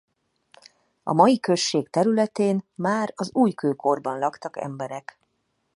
A mai község területén már az újkőkorban laktak emberek.